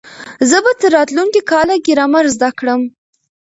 زه به تر راتلونکي کاله ګرامر زده کړم.